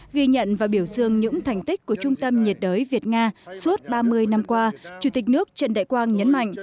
ghi nhận và biểu dương những thành tích của trung tâm nhiệt đới việt nga suốt ba mươi năm qua chủ tịch nước trần đại quang nhấn mạnh